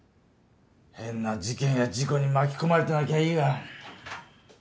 変な事件や事故に巻き込まれてなきゃいいが。